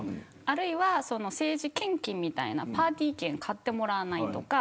あるいは政治献金パーティー券を買ってもらわないとか